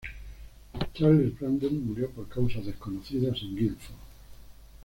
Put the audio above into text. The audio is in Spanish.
Charles Brandon murió por causas desconocidas en Guildford.